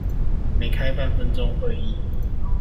沒開半分鐘會議